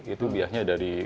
itu biasanya dari